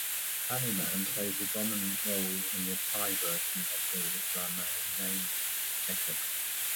Hanuman plays a dominant role in the Thai version of the "Ramayana" epic.